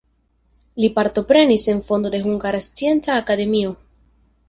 Li partoprenis en fondo de Hungara Scienca Akademio.